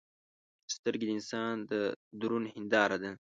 سترګې د انسان د درون هنداره ده